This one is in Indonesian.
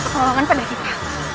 pertolongan pada kita